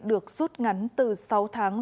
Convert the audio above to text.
được rút ngắn từ sáu tháng